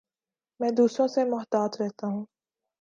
میں دوسروں سے محتاط رہتا ہوں